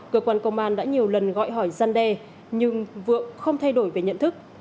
cơ quan công an đã nhiều lần gọi hỏi gian đe nhưng vượng không thay đổi về nhận thức